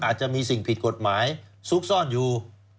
อาจจะมีสิ่งผิดกฎหมายซุกซ่อนอยู่